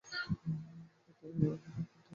এটা তোর বাবাকে হত্যার পর লাগিয়েছিলাম।